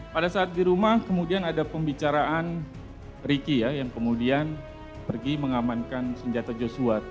pada saat di rumah kemudian ada pembicaraan riki ya yang kemudian pergi mengamankan senjata joshua